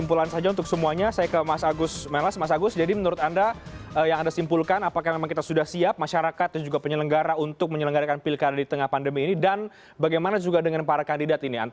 mas agus melas dari direktur sindikasi pemilu demokrasi